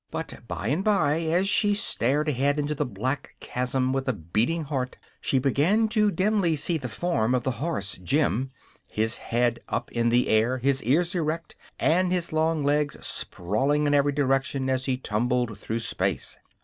But bye and bye, as she stared ahead into the black chasm with a beating heart, she began to dimly see the form of the horse Jim his head up in the air, his ears erect and his long legs sprawling in every direction as he tumbled through space.